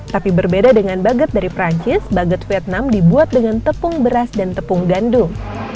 tapi berbeda dengan baget dari perancis baget vietnam dibuat dengan tepung beras dan tepung gandum